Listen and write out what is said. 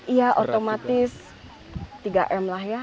iya otomatis tiga m lah ya